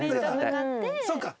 そうか。